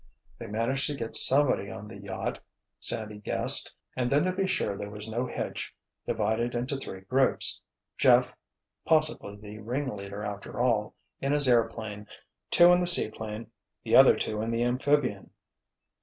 "They managed to get somebody on the yacht," Sandy guessed, "and then to be sure that there was no hitch, divided into three groups—Jeff, possibly the ringleader after all, in his airplane, two in the seaplane, the other two in the amphibian."